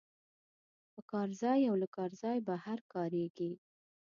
په کار ځای او له کار ځای بهر کاریږي.